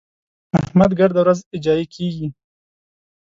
احمد ګرده ورځ اجايي کېږي.